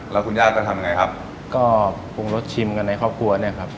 แล้วคุณย่าก็ทำไงครับก็ปรุงรสชิมกันในครอบครัวเนี่ยครับ